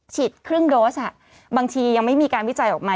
ครึ่งโดสบางทียังไม่มีการวิจัยออกมา